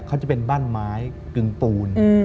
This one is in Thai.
เขาจะเป็นบ้านไม้กึ่งปูน